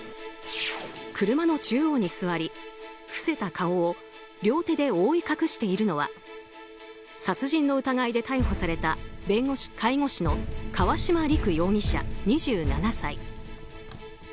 車の中央に座り、伏せた顔を両手で覆い隠しているのは殺人の疑いで逮捕された介護士の川島陸容疑者、２７歳。